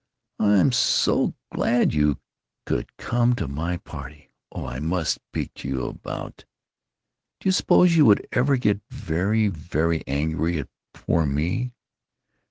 "I'm so glad you could come to my party. Oh, I must speak to you about——Do you suppose you would ever get very, very angry at poor me?